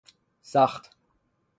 سَخت